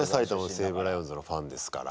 西武ライオンズのファンですから。